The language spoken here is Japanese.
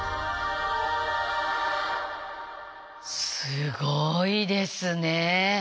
すごいですね。